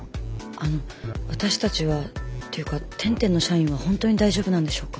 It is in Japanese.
あの私たちはっていうか天・天の社員は本当に大丈夫なんでしょうか？